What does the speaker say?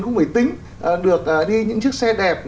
không phải tính được đi những chiếc xe đẹp